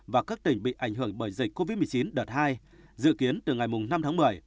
và các tỉnh bị ảnh hưởng bởi dịch covid một mươi chín đợt hai dự kiến từ ngày năm tháng một mươi